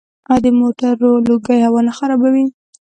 آیا د موټرو لوګی هوا نه خرابوي؟